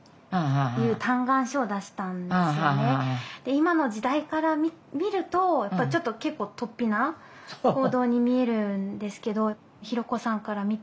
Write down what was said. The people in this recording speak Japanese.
今の時代から見るとちょっと結構とっぴな行動に見えるんですけど弘子さんから見て。